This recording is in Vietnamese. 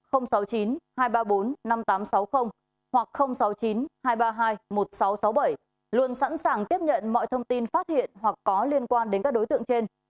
hoặc sáu mươi chín hai trăm ba mươi hai một nghìn sáu trăm sáu mươi bảy luôn sẵn sàng tiếp nhận mọi thông tin phát hiện hoặc có liên quan đến các đối tượng trên